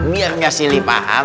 biar gak silih paham